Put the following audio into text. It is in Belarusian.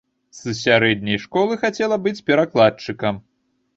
З сярэдняй школы хацела быць перакладчыкам.